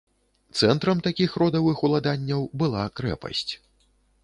Цэнтрам такіх родавых уладанняў была крэпасць.